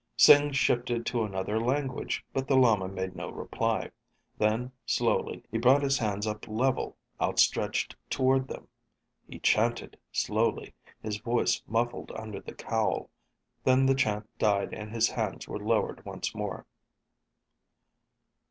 Sing shifted to another language, but the lama made no reply. Then, slowly, he brought his hands up level, outstretched toward them. He chanted slowly, his voice muffled under the cowl. Then the chant died and his hands were lowered once more.